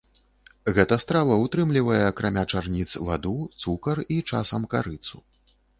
Гэта страва ўтрымлівае акрамя чарніц ваду, цукар і часам карыцу.